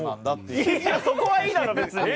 いやそこはいいだろ別に。